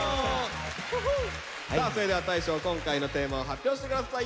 さあそれでは大昇今回のテーマを発表して下さい。